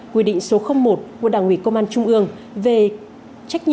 quy định số một của đảng ủy công an trung ương về trách nhiệm